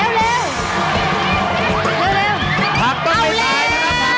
เร็วเวลากล้ายแล้ว